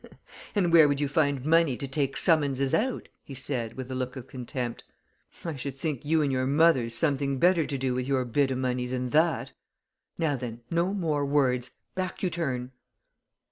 "And where would you find money to take summonses out?" he said, with a look of contempt, "I should think you and your mother's something better to do with your bit o' money than that. Now then, no more words! back you turn!"